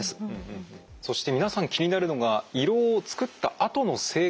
そして皆さん気になるのが胃ろうを作ったあとの生活だと思います。